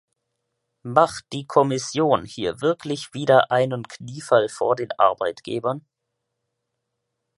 Macht die Kommission hier wirklich wieder einen Kniefall vor den Arbeitgebern?